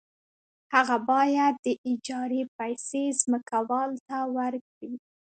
هغه باید د اجارې پیسې ځمکوال ته ورکړي